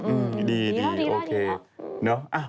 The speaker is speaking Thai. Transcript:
อืมดีโอเคเนอะดีแล้วดีครับ